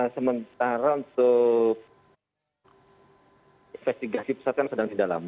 sementara untuk investigasi pesawat yang sedang didalami